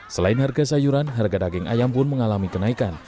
selain harga sayuran harga daging ayam pun mengalami kenaikan